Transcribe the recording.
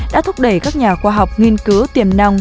đã thúc đẩy các nhà khoa học nghiên cứu tiềm năng